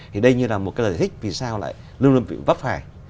thì đây như là một lời thích vì sao lại luôn luôn bị vấp phải